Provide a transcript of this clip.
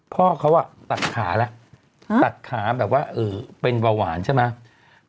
พ่อเขาตัดขาแล้วตัดขาแบบว่าเป็นเบาหวานใช่ไหม